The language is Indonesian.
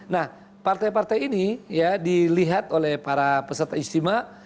nah partai partai ini ya dilihat oleh para peserta istimewa